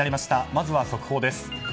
まずは速報です。